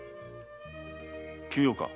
急用か？